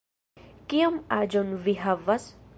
Kiom aĝon vi havas?